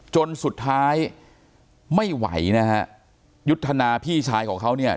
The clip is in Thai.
จนสุดท้ายไม่ไหวนะฮะยุทธนาพี่ชายของเขาเนี่ย